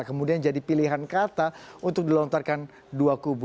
kemudian jadi pilihan kata untuk dilontarkan dua kubu